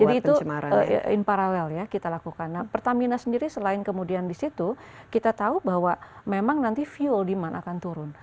jadi itu in parallel ya kita lakukan nah pertamina sendiri selain kemudian di situ kita tahu bahwa memang nanti fuel demand akan turun